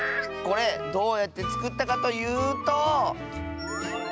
これどうやってつくったかというと！